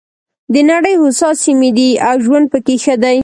د نړۍ هوسا سیمې دي او ژوند پکې ښه دی.